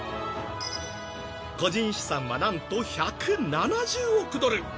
個人資産は何と１７０億ドル。